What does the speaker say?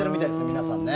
皆さんね。